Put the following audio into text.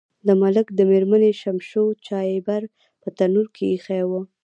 د ملک د میرمنې شمشو چایبر په تنور کې ایښی و.